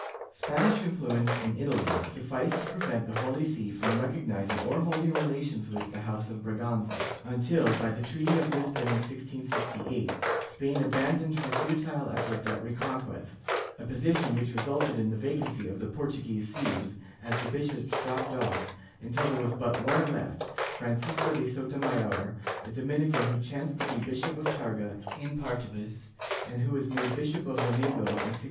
^ Span ish influence in Italy sufficed to prevent the Holy See from recog nizing or holding relations with the House of Braganza, until, by the treaty of Lisbon in 1668, Spain abandoned her futile efforts at reconquest — a position which resulted in the vacancy of the Portuguese sees, as the bishops dropped off, until there was but one left, Francisco de Sotomayor, a Dominican who chanced to be bishop of Targa in partibus and who was made Bishop of Lamego in 1659.